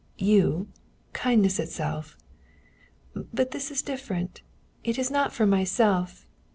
"You? Kindness itself!" "But this is different. It is not for myself.